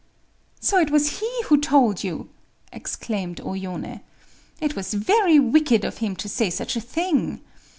"So it was he who told you?" exclaimed O Yoné. "It was very wicked of him to say such a thing.